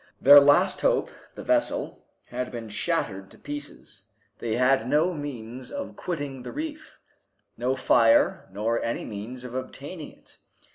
Their last hope, the vessel, had been shattered to pieces. They had no means of quitting the reef; no fire, nor any means of obtaining it.